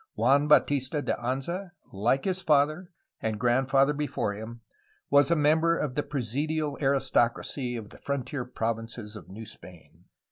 Juan Bautista de Anza, like his father and grandfather before him, was a member of the presidial aristocracy of the frontier provinces of New Spain.